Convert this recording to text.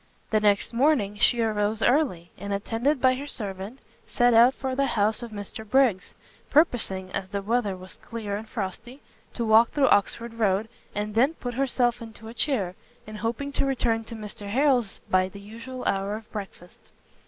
The next morning she arose early, and attended by her servant, set out for the house of Mr Briggs, purposing, as the weather was clear and frosty, to walk through Oxford Road, and then put herself into a chair; and hoping to return to Mr Harrel's by the usual hour of breakfast.